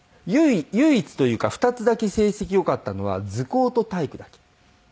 唯一というか２つだけ成績良かったのは図工と体育だけ。